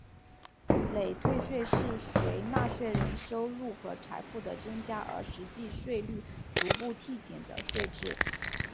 累退税是随纳税人收入和财富的增加而实际税率逐步递减的税制。